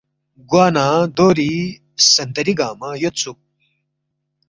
گوا نہ دوری سنتری گنگمہ یودسُوک